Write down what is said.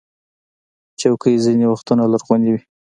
چوکۍ ځینې وخت لرغونې وي.